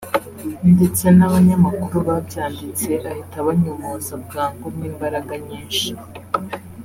ndetse n’abanyamakuru babyanditse ahita abanyomoza bwangu n’imbaraga nyinshi